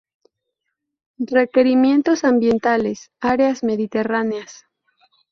Requerimientos ambientales: áreas mediterráneas.